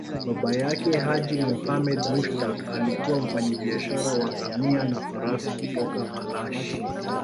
Baba yake, Haji Muhammad Mushtaq, alikuwa mfanyabiashara wa ngamia na farasi kutoka Malashi.